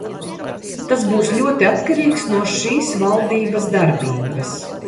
Tas būs ļoti atkarīgs no šīs valdības darbības.